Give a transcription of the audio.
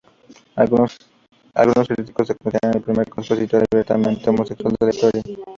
Algunos críticos lo consideran el primer compositor abiertamente homosexual de la historia.